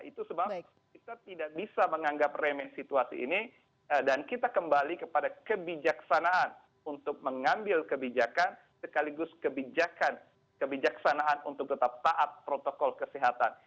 itu sebab kita tidak bisa menganggap remeh situasi ini dan kita kembali kepada kebijaksanaan untuk mengambil kebijakan sekaligus kebijakan kebijaksanaan untuk tetap taat protokol kesehatan